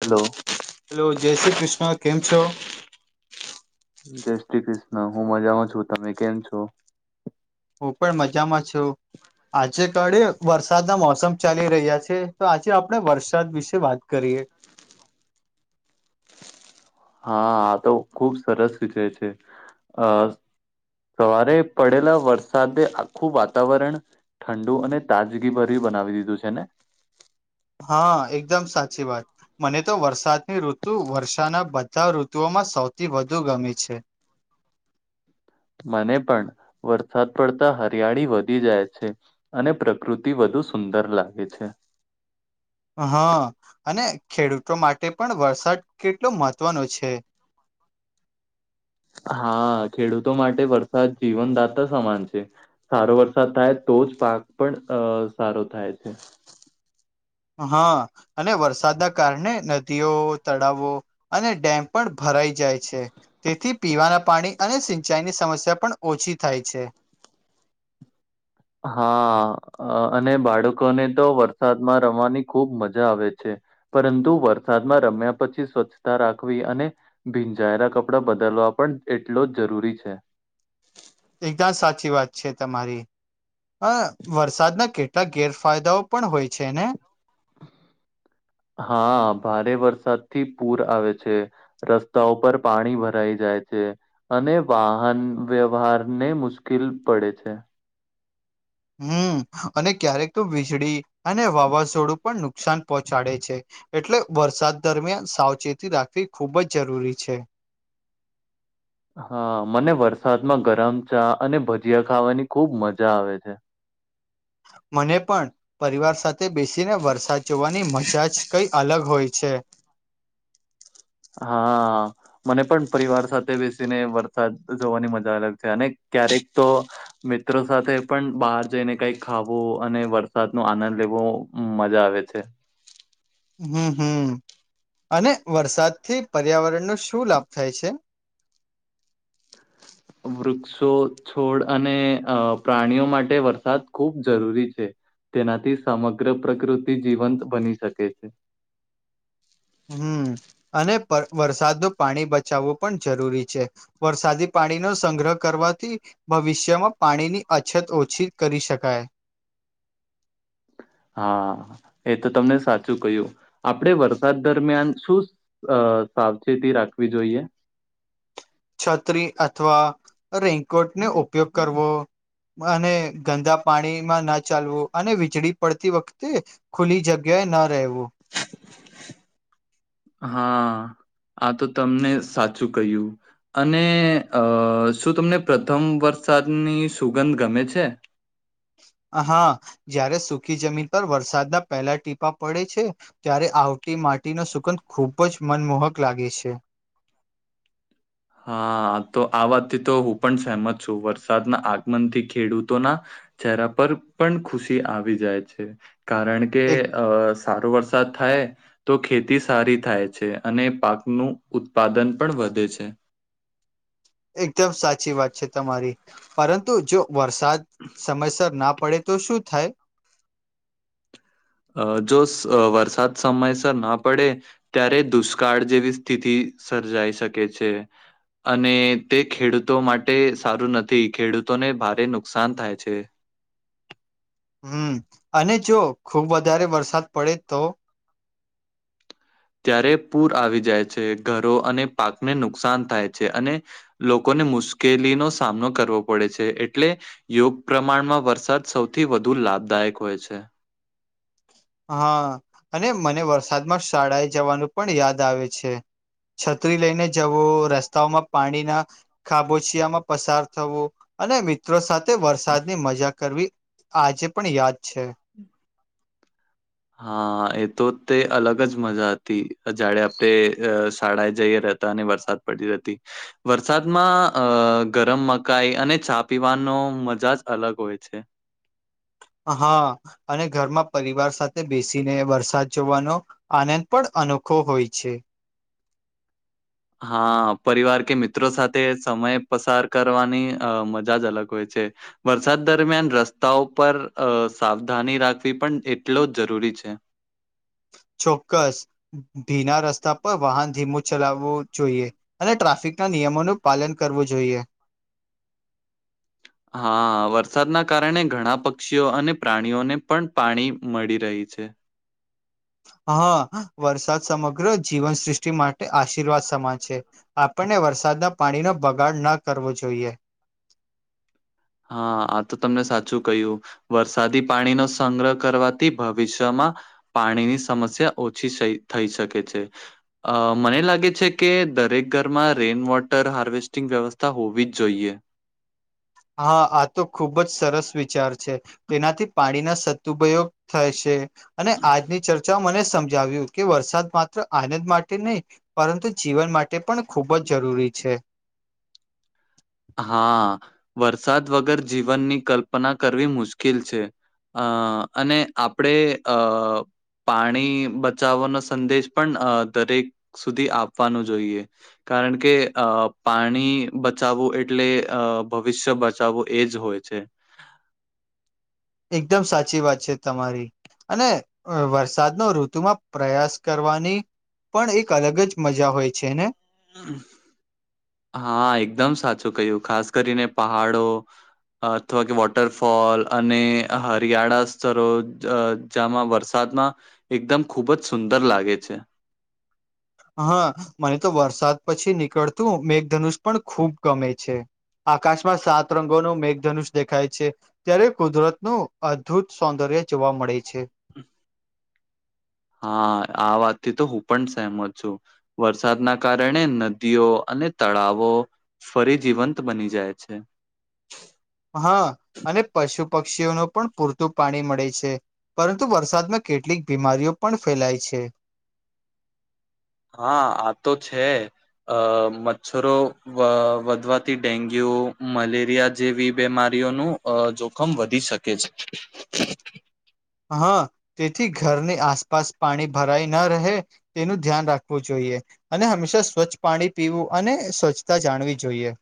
Hello. Hello, જય શ્રી કૃષ્ણ કેમ છો? જય શ્રી કૃષ્ણ, હું મજામાં છું તમે કેમ છો? હું પણ મજામાં છું. આજે કાળે વરસાદના મોસમ ચાલી રહ્યા છે તો આજે આપણે વરસાદ વિશે વાત કરીએ. હા આ તો ખુબ સરસ વિષય છે. અ સવારે પડેલા વરસાદે આખું વાતાવરણ ઠંડુ અને તાજગીભર્યું બનાવી દીધું છે ને? હા એકદમ સાચી વાત. મને તો વરસાદની ઋતુ વર્ષાના બધા ઋતુઓમાં સૌથી વધુ ગમે છે. મને પણ, વરસાદ પડતા હરિયાળી વધી જાય છે. અને પ્રકૃતિ વધુ સુંદર લાગે છે. હા અને ખેડૂતો માટે પણ વરસાદ કેટલો મહત્વનો છે. હા ખેડૂતો માટે વરસાદ જીવનદાતા સમાન છે. સારો વરસાદ થાય તો જ પાક પણ અ સારો થાય છે. હા. અને વરસાદના કારણે નદીઓ, તળાવો અને ડેમ પણ ભરાઈ જાય છે. તેથી પીવાના પાણી અને સિંચાઈની સમસ્યા પણ ઓછી થાય છે. હા અને બાળકોને તો વરસાદમાં રમવાની ખૂબ મજા આવે છે. પરંતુ વરસાદમાં રમ્યા પછી સ્વચ્છતા રાખવી અને ભીંજાયેલા કપડા બદલવા પણ એટલો જ જરૂરી છે. એકદમ સાચી વાત છે તમારી. અ વરસાદના કેટલાક ગેરફાયદાઓ પણ હોય છે ને? હા ભારે વરસાદથી પૂર આવે છે. રસ્તાઓ ઉપર પાણી ભરાઈ જાય છે. અને વાહન વ્યવહાર ને મુશ્કિલ પડે છે. હમ્મ અને ક્યારેક તો વીજળી અને વાવાઝોડું પણ નુકસાન પહોંચાડે છે. એટલે વરસાદ દરમિયાન સાવચેતી રાખવી ખૂબ જ જરૂરી છે. હા મને વરસાદમાં ગરમ ચા અને ભજીયા ખાવાની ખુબ મજા આવે છે. મને પણ. પરિવાર સાથે બેસીને વરસાદ જોવાની મજા જ કઈ અલગ હોય છે. હા. મને પણ પરિવાર સાથે બેસીને વરસાદ જોવાની મજા અલગ છે અને ક્યારેક તો મિત્રો સાથે પણ બહાર જઈને કઈક ખાવું અને વરસાદનો આનંદ લેવો મજા આવે છે. હમ્મ હમ્મ અને વરસાદથી પર્યાવરણનો શું લાભ થાય છે. વૃક્ષો છોડ અને અ પ્રાણીઓ માટે વરસાદ ખૂબ જરૂરી છે. તેનાથી સમગ્ર પ્રકૃતિ જીવંત બની શકે છે. હમ્મ અને વરસાદનું પાણી બચાવવું પણ જરૂરી છે. વરસાદી પાણીનો સંગ્રહ કરવાથી ભવિષ્યમાં પાણીની અછત ઓછી કરી શકાય. હા એ તો તમને સાચું કહ્યું, આપડે વરસાદ દરમિયાન શું અ સાવચેતી રાખવી જોઈએ? છત્રી અથવા રેનકોટનો ઉપયોગ કરવો. અને ગંદા પાણીમાં ના ચાલવું અને વીજળી પડતી વખતે ખુલ્લી જગ્યાએ ન રહેવું. હા. આ તો તમને સાચું કહ્યું. અને અ શું તમને પ્રથમ વરસાદની સુગંધ ગમે છે? હા જ્યારે સુખી જમીન પર વરસાદના પહેલા ટીપા પડે છે ત્યારે આવતી માટીનો સુગંધ ખુબ જ મનમોહક લાગે છે. હા. તો આ વાતથી તો હું પણ સહેમત છું. વરસાદના આગમનથી ખેડૂતોના ચહેરા પર પણ ખુશી આવી જાય છે. કારણ કે એક અ સારો વરસાદ થાય તો ખેતી સારી થાય છે. અને પાકનું ઉત્પાદન પણ વધે છે. એકદમ સાચી વાત છે તમારી પરંતુ જો વરસાદ સમયસર ના પડે તો શું થાય અ જો સ અ વરસાદ સમયસર ના પડે ત્યારે દુષ્કાળ જેવી સ્થિતિ સર્જાઈ શકે છે. અને તે ખેડૂતો માટે સારું નથી ખેડૂતોને ભારે નુકસાન થાય છે. હમ અને જો ખુબ વધારે વરસાદ પડે તો ત્યારે પૂર આવી જાય છે ઘરો અને પાકને નુકસાન થાય છે અને લોકોને મુશ્કેલીનો સામનો કરવો પડે છે એટલે યોગ પ્રમાણમાં વરસાદ સૌથી વધુ લાભદાયક હોય છે હા અને મને વરસાદમાં શાળાએ જવાનું પણ યાદ આવે છે. છત્રી લઈને જવુ રસ્તાઓમાં પાણીના ખાબોચિયામાં પસાર થવુ અને મિત્રો સાથે તે વરસાદની મજા કરવી આજે પણ યાદ છે. [inaudible] હા એ તો તે અલગ જ મજા હતી જ્યારે આપણે અ શાળાએ જઈએ ને અને વરસાદ પડી રેતી વરસાદમાં અ ગરમ મકાઈ અને ચા પીવાનો મજા જ અલગ હોય છે. હા અને ઘરમાં પરિવાર સાથે બેસીને વરસાદ જોવાનો આનંદ પણ અનોખો હોય છે. હા પરિવાર કે મિત્રો સાથે સમય પસાર કરવાની અ મજા જ અલગ હોય છે. વરસાદ દરમિયાન રસ્તાઓ પર અ સાવધાની રાખવી પણ એટલો જ જરૂરી છે. ચોક્કસ ભીના રસ્તા પર વાહન ધીમું ચલાવવું જોઈએ. અને ટ્રાફિકના નિયમોનું પાલન કરવું જોઈએ. હા વરસાદના કારણે ઘણા પક્ષીઓ અને પ્રાણીઓને પણ પાણી મળી રહી છે. હા વરસાદ સમગ્ર જીવનસૃષ્ટિ માટે આશીર્વાદ સમાન છે આપણને વરસાદના પાણીનો બગાડ ન કરવો જોઈએ. હા આ તો તમને સાચું કહ્યુ. વરસાદી પાણીનો સંગ્રહ કરવાથી ભવિષ્યમાં પાણીની સમસ્યા ઓછી સઈ થઈ શકે છે. અ મને લાગે છે કે દરેક ઘરમાં રેઇનવોટર હાર્વેસ્ટિંગ વ્યવસ્થા હોવી જ જોઈએ. હા આ તો ખુબ જ સરસ વિચાર છે. તેનાથી પાણીના સદુપયોગ થશે અને આજની ચર્ચા મને સમજાવ્યું કે વરસાદ માત્ર આનંદ માટે નહીં પરંતુ જીવન માટે પણ ખૂબ જ જરૂરી છે. હા વરસાદ વગર જીવનની કલ્પના કરવી મુશ્કેલ છે અ અને આપણે અ પાણી બચાવાનો સંદેશ પણ અ દરેક સુધી આપવાનું જોઈએ કારણ કે અ પાણી બચાવવું એ એટલે અ ભવિષ્ય બચાવવું એજ હોય છે. એકદમ સાચી વાત છે તમારી. અને વરસાદનો ઋતુમાં પ્રયાસ કરવાની પણ એક અલગ જ મજા હોય છે ને. [inaudible] હા એકદમ સાચું કહ્યું ખાસ કરીને પહાડો અથવા કે વોટરફોલ અને હરિયાળા સ્તરો જ અ જામાં વરસાદમાં એકદમ ખુબ જ સુંદર લાગે છે. હા મને તો વરસાદ પછી નીકળતું મેઘધનુષ પણ ખૂબ ગમે છે. આકાશમાં સાત રંગોનું મેઘધનુષ દેખાય છે ત્યારે કુદરતનું અદભુત સૌંદર્ય જોવા મળે છે. હમ્મ હા આ વાત થી તો હું પણ સહેમત છું વરસાદના કારણે નદીઓ અને તળાવો ફરી જીવંત બની જાય છે. હા અને પશુ પક્ષીઓનું પણ પૂરતું પાણી મળે છે. પરંતુ વરસાદમાં કેટલીક બીમારીઓ પણ ફેલાય છે. હા આ તો છે અ મચ્છરો વ વધવાથી ડેન્ગ્યુ મલેરિયા જેવી બીમારીઓનું અ જોખમ વધી શકે. કે છે. હા તેથી ઘરની આસપાસ પાણી ભરાય ના રહે તેનું ધ્યાન રાખવું જોઈએ. અને હંમેશા સ્વચ્છ પાણી પીવું અને સ્વચ્છતા જાણવી જોઈએ.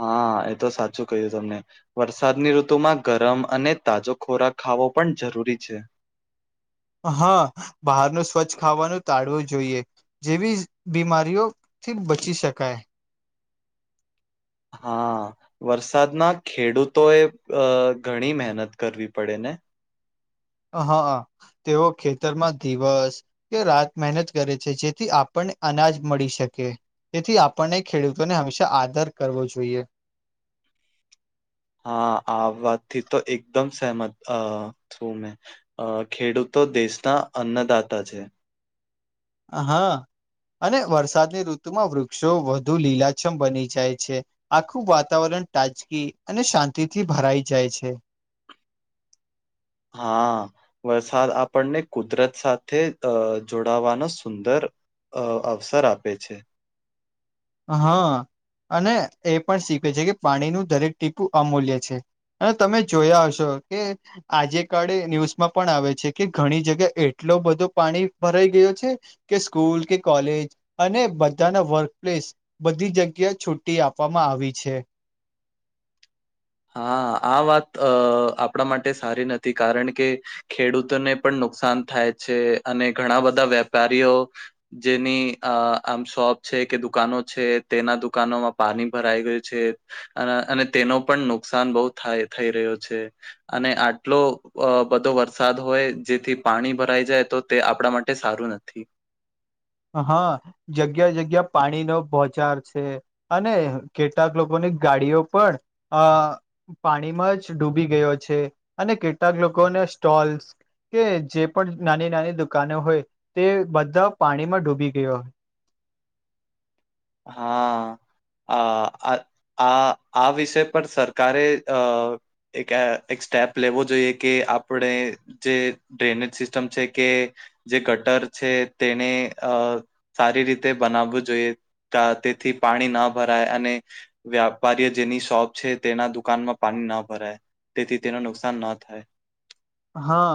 હા એ તો સાચું ક્યું તમને. વરસાદની ઋતુમાં ગરમ અને તાજો ખોરાક ખાવો પણ જરૂરી છે. હા બહારનું સ્વચ્છ ખાવાનું ટાળવું જોઈએ જેવી બીમારીઓ થી બચી શકાય. હા. વરસાદના ખેડૂતો એ અ ઘણી મહેનત કરવી પડે ને. હઅ તેઓ ખેતરમાં દિવસ કે રાત મહેનત કરે છે જેથી આપણને અનાજ મળી શકે. તેથી આપણને ખેડૂતોને હંમેશા આદર કરવો જોઈએ. હા આ વાતથી તો એકદમ સહમત અ છું મેં. અ ખેડૂતો દેશના અન્નદાતા છે. હા અને વરસાદની ઋતુમાં વૃક્ષો વધુ લીલાછમ બની જાય છે. આખું વાતાવરણ તાજગી અને શાંતિથી ભરાઈ જાય છે. હા. વરસાદ આપણને કુદરત સાથે અ જોડાવાનો સુંદર અ અવસર આપે છે. હા અને એ પણ શીખે છે કે પાણીનું દરેક ટીપું અમૂલ્ય છે. અને તમે જોયા હશો કે આજે કળે ન્યૂઝમાં પણ આવે છે કે ઘણી જગ્યા એટલો બધો પાણી ભરાઈ ગયો છે. કે સ્કૂલ કે કોલેજ અને બધાના વર્ક પ્લેસ બધી જગ્યા છુટી આપવામાં આવી છે. હા આ વાત અહ આપણા માટે સારી નથી કારણ કે ખેડૂતને પણ નુકસાન થાય છે અને ઘણા બધા વેપારીઓ જેની અહ આમ શોપ છે કે દુકાનો છે તેના દુકાનોમાં પાણી ભરાઈ ગયું છે. અન અને તેનો પણ નુકસાન બહુ થાય થઈ રહ્યો છે. અને આટલો બધો અહ વરસાદ હોય જેથી પાણી ભરાઈ જાય તો તે આપણા માટે સારું નથી. અ હા જગ્યા જગ્યા પાણીનો ભોચાર છે. અને કેટલાક લોકોની ગાડીઓ પણ અહ પાણીમાં જ ડૂબી ગયો છે અને કેટલાક લોકોને સ્ટોલ્સ કે જે પણ નાની નાની દુકાનો હોય તે બધા પાણીમાં ડૂબી ગયા હા. અઆ આ આ વિષય પર સરકારે અહ એક અહ એક સ્ટેપ લેવો જોઈએ કે આપડે જે ડ્રેનેજ સિસ્ટમ છે કે જે ગટર છે તેને અહ સારી રીતે બનાવવું જોઈએ. કા તેથી પાણી ના ભરાય અને વ્યાપારી જેની શોપ છે તેના દુકાનમાં પાણી ના ભરાય. તેથી તેનું નુકસાન ન થાય. હા.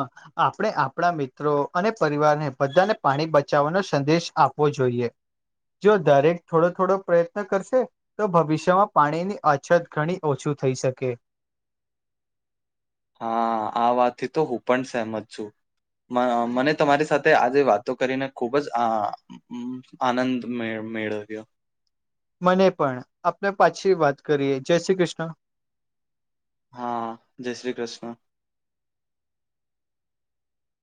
આપણે આપણા મિત્રો અને પરિવારને બધાને પાણી બચાવવાનો સંદેશ આપવો જોઈએ. જો દરેક થોડો થોડો પ્રયત્ન કરશે. તો ભવિષ્યમાં પાણીની અછત ઘણી ઓછું થઈ શકે. હા આ વાત થી તો હું પણ સહેમત છું. મ મને તમારી સાથે આજે વાતો કરીને ખુબ જ આ ઉમ્મ આનંદ મે મેળ મેળવ્યો. મને પણ આપણે પાછી વાત કરીએ જય શ્રી કૃષ્ણ. હા જય શ્રી કૃષ્ણ.